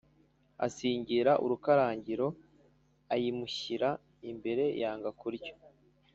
Asingira urukraangiro ayimushyira imbere yanga kurya